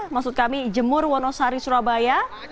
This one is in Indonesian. maksud kami jemur wonosari surabaya